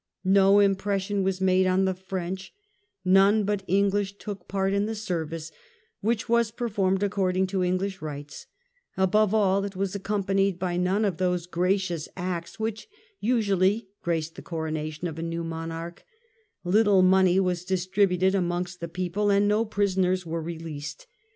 No impression was made on the French, none but English took part in the service, which was performed according to English rites ; above all it was accompanied by none of those gracious acts which usually graced the coronation of a new monarch, little money was distributed amongst the people and no prisoners were released.